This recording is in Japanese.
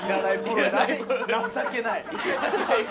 情けない！